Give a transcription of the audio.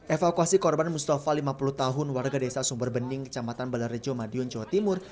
evakuasi korban mustafa lima puluh tahun warga desa sumberbening kecamatan balarejo madiun jawa timur